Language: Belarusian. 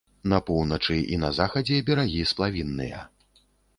На поўначы і на захадзе берагі сплавінныя.